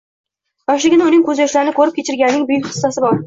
yoshligini uning ko'zyoshlarini ko'rib kechirganining buyuk hissasi bor.